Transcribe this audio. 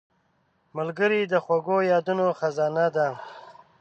ملګری د خوږو یادونو خزانه ده